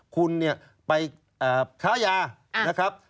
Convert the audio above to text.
คุณเนี่ยไปค้ายานะครับ